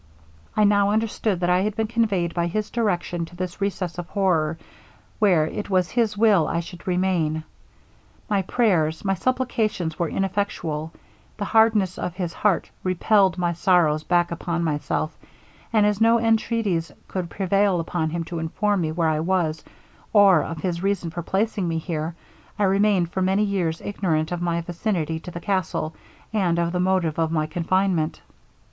'I now understood that I had been conveyed by his direction to this recess of horror, where it was his will I should remain. My prayers, my supplications, were ineffectual; the hardness of his heart repelled my sorrows back upon myself; and as no entreaties could prevail upon him to inform me where I was, or of his reason for placing me here, I remained for many years ignorant of my vicinity to the castle, and of the motive of my confinement.